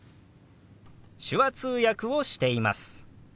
「手話通訳をしています」。